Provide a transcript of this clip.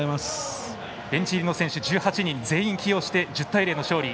ベンチ入りの選手１８人全員起用して１０対０の勝利。